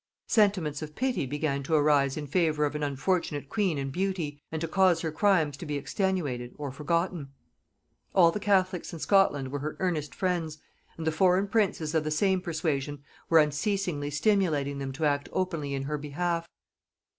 Sentiments of pity began to arise in favor of an unfortunate queen and beauty, and to cause her crimes to be extenuated or forgotten. All the catholics in Scotland were her earnest friends, and the foreign princes of the same persuasion were unceasingly stimulating them to act openly in her behalf.